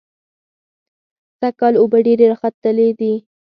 سږکال اوبه ډېرې راخلتلې دي.